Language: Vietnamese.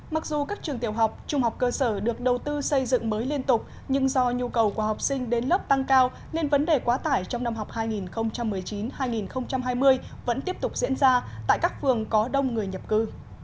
mặc dù các trường tiểu học trung học cơ sở được đầu tư xây dựng mới liên tục nhưng do nhu cầu của học sinh đến lớp tăng cao nên vấn đề quá tải trong năm học hai nghìn một mươi chín hai nghìn hai mươi vẫn tiếp tục diễn ra tại các phường có đông người nhập cư